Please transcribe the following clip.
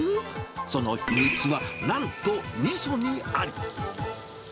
その秘密は、なんとみそにあり。